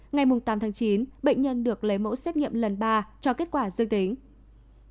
ngày mùng tám tháng chín bệnh nhân được lấy mẫu xét nghiệm lần ba cho kết quả dương tính